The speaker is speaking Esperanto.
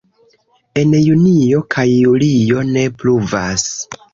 En junio kaj julio ne pluvas.